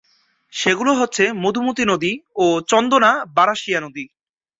সেগুলো হচ্ছে মধুমতি নদী ও চন্দনা-বারাশিয়া নদী।